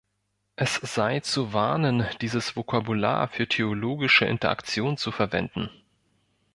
Es sei „zu warnen, dieses Vokabular für theologische Interaktion zu verwenden“.